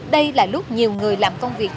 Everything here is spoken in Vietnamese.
đây là lúc nhiều người làm công việc